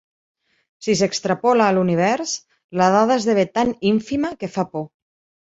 Si s’extrapola a l’univers, la dada esdevé tan ínfima que fa por.